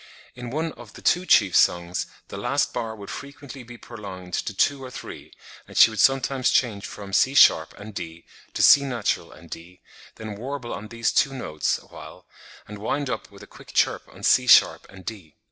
In one of the two chief songs, "the last bar would frequently be prolonged to two or three; and she would sometimes change from C sharp and D, to C natural and D, then warble on these two notes awhile, and wind up with a quick chirp on C sharp and D.